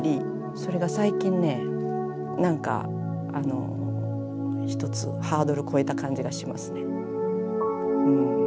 それが最近ねなんかあの一つハードル越えた感じがしますね。